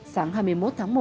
sáng hai mươi một tháng một